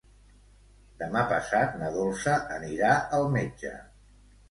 Demà passat na Dolça anirà al metge.